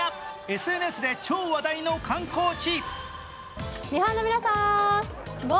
ＳＮＳで超話題の観光地。